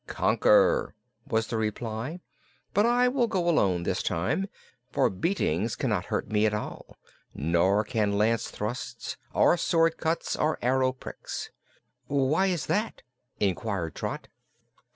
"Conquer," was the reply. "But I will go alone, this time, for beatings cannot hurt me at all; nor can lance thrusts or sword cuts or arrow pricks." "Why is that?" inquired Trot.